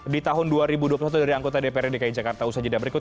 di tahun dua ribu dua puluh satu dari anggota dprdki jakarta usajidah berikut